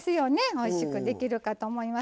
おいしくできるかと思います。